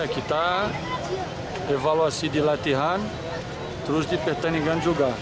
kita evaluasi di latihan terus di pertandingan juga